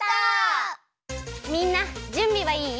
みんなじゅんびはいい？